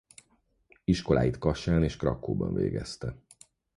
Iskoláit Kassán és Krakkóban végezte.